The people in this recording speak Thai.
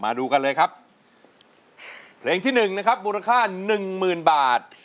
ไม่มีปัญหาอะไรนะครับมาดูกันเลยครับเรงที่๑นะครับมูลค่า๑๐๐๐๐บาท